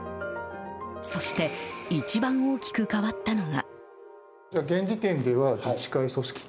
そして一番大きく変わったのが。